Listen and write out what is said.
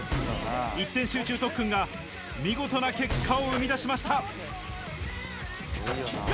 一点集中特訓が、見事な結果を生み出しました。